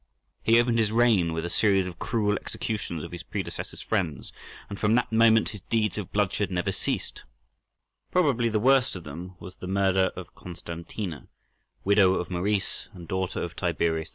He opened his reign with a series of cruel executions of his predecessor's friends, and from that moment his deeds of bloodshed never ceased: probably the worst of them was the execution of Constantina, widow of Maurice and daughter of Tiberius II.